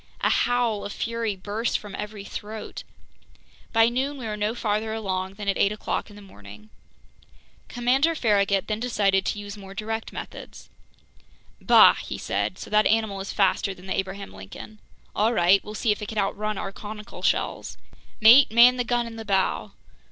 A howl of fury burst from every throat! By noon we were no farther along than at eight o'clock in the morning. Commander Farragut then decided to use more direct methods. "Bah!" he said. "So that animal is faster than the Abraham Lincoln. All right, we'll see if it can outrun our conical shells! Mate, man the gun in the bow!"